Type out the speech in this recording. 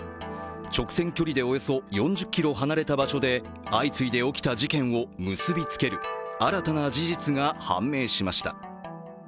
直線距離でおよそ４０ｋｍ離れた場所で相次いで起きた事件を結び付ける新たな事実が判明しました。